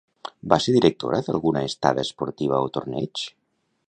Va ser directora d'alguna estada esportiva o torneig?